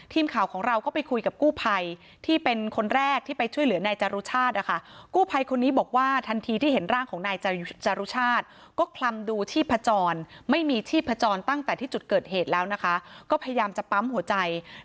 ทีมข่าวของเราก็ไปคุยกับกู้ภัยที่เป็นคนแรกที่ไปช่วยเหลือนายจารุชาติ